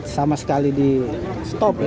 sama sekali di stok